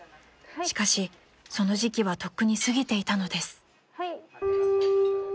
［しかしその時期はとっくに過ぎていたのです］